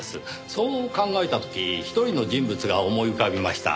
そう考えた時一人の人物が思い浮かびました。